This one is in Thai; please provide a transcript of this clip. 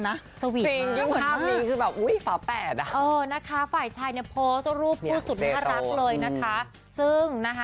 ฝ่ายชายสิงค้ายังผมสรุปผู้สุดหน้ารักเลยนะคะ